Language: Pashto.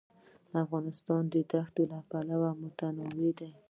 افغانستان د ښتې له پلوه متنوع دی.